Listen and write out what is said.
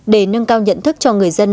để nâng cao nhận thức cho người dân